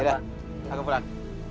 herat aku pulang